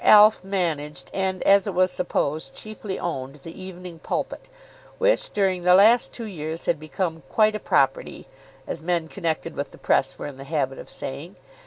Alf managed, and, as it was supposed, chiefly owned, the "Evening Pulpit," which during the last two years had become "quite a property," as men connected with the press were in the habit of saying.